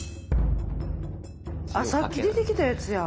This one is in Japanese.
さっき出てきたやつや。